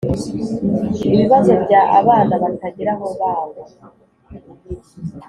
ibibazo bya abana batagira aho babo